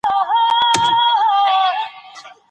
هغه څوک چې په ورو ځي، منزل ته رسیږي.